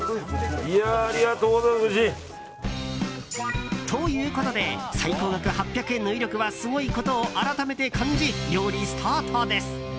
ありがとうございますご主人。ということで最高額８００円の威力はすごいことを改めて感じ、料理スタートです。